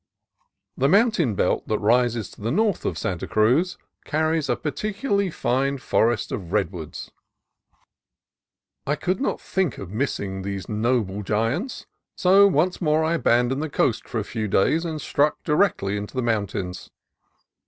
The mountain belt that rises to the north of Santa Cruz carries a particularly fine forest of redwoods. 230 CALIFORNIA COAST TRAILS I could not think of missing these noble giants, so once more I abandoned the coast for a few days and struck directly into the mountains.